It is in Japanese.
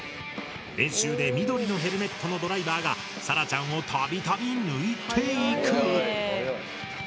練習で緑のヘルメットのドライバーがさらちゃんをたびたび抜いていく。